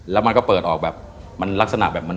แล้วมันก็เปิดออกแบบมันลักษณะแบบมัน